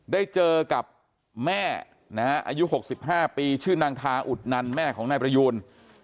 ได้เจอกับแม่นะฮะอายุ๖๕ปีชื่อนางทาอุดนันแม่ของนายประยูน